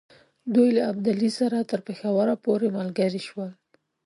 دوی له ابدالي سره تر پېښور پوري ملګري شول.